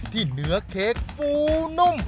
เนื้อเค้กฟูนุ่ม